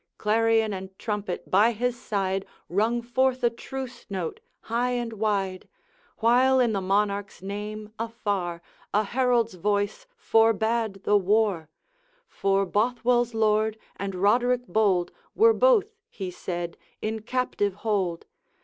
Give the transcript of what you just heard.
Clarion and trumpet by his side Rung forth a truce note high and wide, While, in the Monarch's name, afar A herald's voice forbade the war, For Bothwell's lord and Roderick bold Were both, he said, in captive hold.'